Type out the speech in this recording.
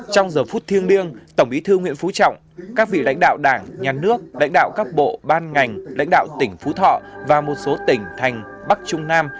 trong giờ phút thiêng liêng tổng bí thư nguyễn phú trọng các vị lãnh đạo đảng nhà nước lãnh đạo các bộ ban ngành lãnh đạo tỉnh phú thọ và một số tỉnh thành bắc trung nam